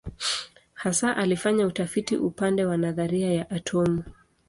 Hasa alifanya utafiti upande wa nadharia ya atomu.